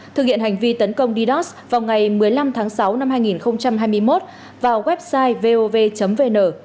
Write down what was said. thực hiện hành vi tấn công ddos vào ngày một mươi năm tháng sáu năm hai nghìn hai mươi một vào website vov vn